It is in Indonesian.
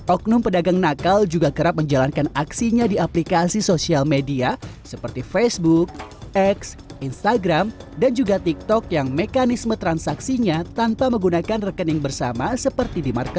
oknum pedagang nakal juga kerap menjalankan aksinya di aplikasi sosial media seperti facebook x instagram dan juga tiktok yang mekanisme transaksinya tanpa menggunakan rekening bersama seperti di market